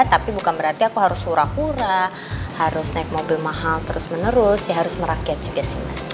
tapi bukan berarti aku harus hura hura harus naik mobil mahal terus menerus ya harus merakyat juga sih mas